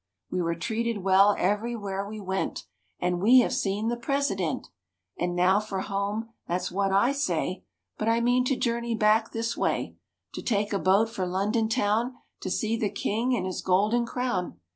We Were treated well everywhere we went; And we have seen the President. And now for home, that's what I say; But I mean to journey back this way To take a boat for London town To see the king and his golden crown."